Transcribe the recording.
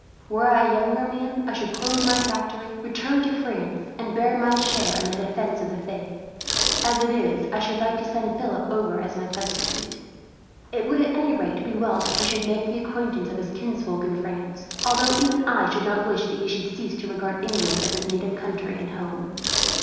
Were I a younger man, I should close my factory, return to France, and bear my share in the defence of the faith. As it is, I should like to send Philip over as my substitute. "It would, at any rate, be well that he should make the acquaintance of his kinsfolk in France; although even I should not wish that he should cease to regard England as his native country and home.